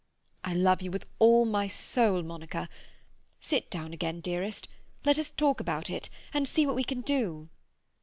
"I love you with all my soul, Monica! Sit down again, dearest; let us talk about it, and see what we can do."